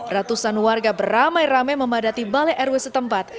ratusan warga beramai ramai memadati balai rw setempat